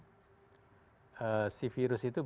si virus itu bisa lebih cepat masuk ke tubuh